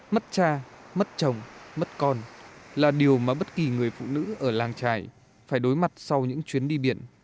mất cha mất chồng mất con là điều mà bất kỳ người phụ nữ ở làng trải phải đối mặt sau những chuyến đi biển